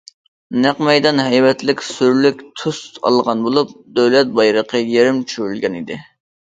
نەق مەيدان ھەيۋەتلىك، سۈرلۈك تۈس ئالغان بولۇپ، دۆلەت بايرىقى يېرىم چۈشۈرۈلگەنىدى.